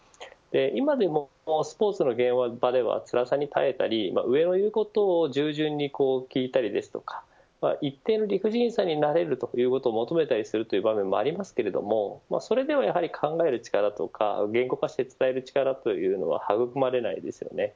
今でもスポーツの現場では辛さに耐えたり上の言うことを従順に聞いたりですとか一見、理不尽さに慣れるということも求められたりする場面もありますがそれでは考える力とかそれでは言語化して伝える力というのは育まれないですよね。